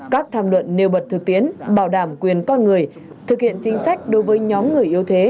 các tham luận nêu bật thực tiến bảo đảm quyền con người thực hiện chính sách đối với nhóm người yếu thế